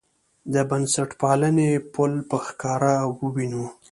د بنسټپالنې پل په ښکاره ووینو.